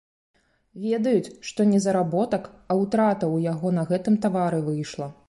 Ведаюць, што не заработак, а ўтрата ў яго на гэтым тавары выйшла.